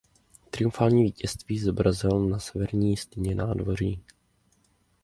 Triumfální vítězství zobrazil na severní stěně nádvoří.